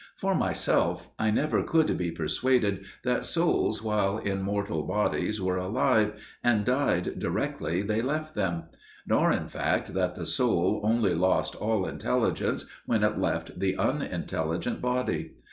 For myself, I never could be persuaded that souls while in mortal bodies were alive, and died directly they left them; nor, in fact, that the soul only lost all intelligence when it left the unintelligent body.